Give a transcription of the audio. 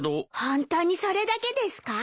ホントにそれだけですか？